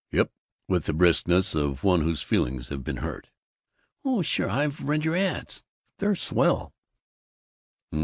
"Yep." With the briskness of one whose feelings have been hurt. "Oh, sure. I've read your ads. They're swell."